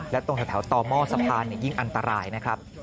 และตรงแถวต่อหม้อสะพานยิ่งอันตรายนะครับ